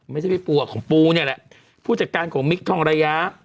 ไม่ใช่พี่ปูของปูเนี่ยแหละผู้จัดการของมิคทองระยะ